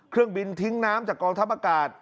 เครื่องบินทิ้งน้ำจากกองทัพอากาศ